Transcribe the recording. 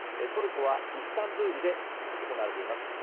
トルコのイスタンブールで行われています。